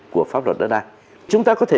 của pháp luật đất đang chúng ta có thể